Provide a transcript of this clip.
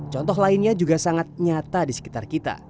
contoh lainnya juga sangat nyata di sekitar kita